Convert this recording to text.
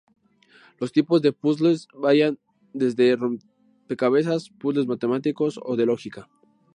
Los tipos de puzzles varían desde rompecabezas, puzzles matemáticos o de lógica.